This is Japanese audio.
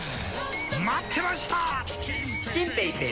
待ってました！